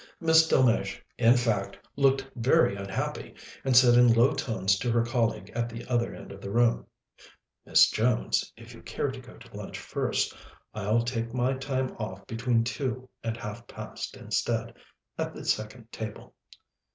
Miss Delmege, in fact, looked very unhappy, and said in low tones to her colleague at the other end of the room: "Miss Jones, if you care to go to lunch first, I'll take my time off between two and half past instead, at the second table."